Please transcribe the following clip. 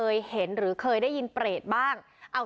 สวัสดีครับ